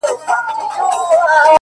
زما هغـه ســـترگو ته ودريـــږي!!